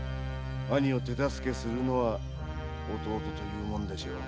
兄を手助けするのが弟というもんでしょう？